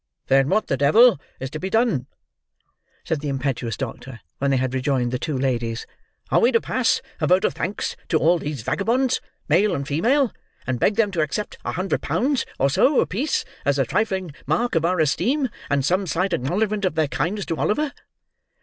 "Then what the devil is to be done?" said the impetuous doctor, when they had rejoined the two ladies. "Are we to pass a vote of thanks to all these vagabonds, male and female, and beg them to accept a hundred pounds, or so, apiece, as a trifling mark of our esteem, and some slight acknowledgment of their kindness to Oliver?"